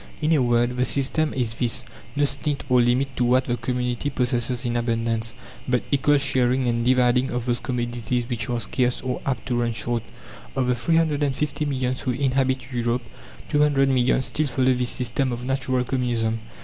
In a word, the system is this: no stint or limit to what the community possesses in abundance, but equal sharing and dividing of those commodities which are scarce or apt to run short. Of the 350 millions who inhabit Europe, 200 millions still follow this system of natural Communism.